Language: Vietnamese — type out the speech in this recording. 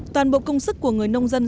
toàn bộ công sức của người nông dân